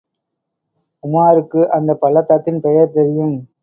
உமாருக்கு அந்தப் பள்ளத்தாக்கின் பெயர் தெரியும்.